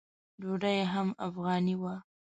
ډوډۍ یې هم افغاني وه.